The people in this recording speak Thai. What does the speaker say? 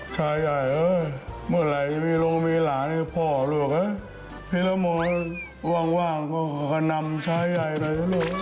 ชายใหญ่เมื่อไรจะมีลงมีหลานพี่ละมนต์ว่างก็นำชายใหญ่เลย